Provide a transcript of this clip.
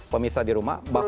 pemirsa di rumah